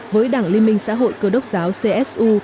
với đảng liên minh xã hội cơ đốc giáo csu